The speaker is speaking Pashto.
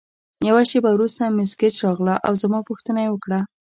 یوه شیبه وروسته مس ګیج راغله او زما پوښتنه یې وکړه.